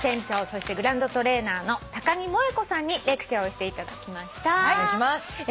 そしてグランドトレーナーの木萌子さんにレクチャーをしていただきました。